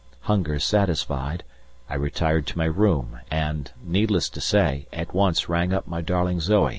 Hunger satisfied, I retired to my room and, needless to say, at once rang up my darling Zoe.